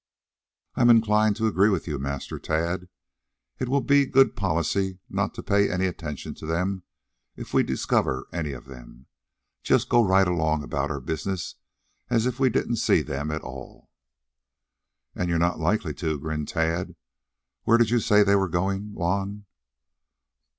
"I am inclined to agree with you, Master Tad. It will be good policy not to pay any attention to them if we discover any of them. Just go right along about our business as if we didn't see them at all." "And you're not likely to," grinned Tad. "Where did you say they were going, Juan?"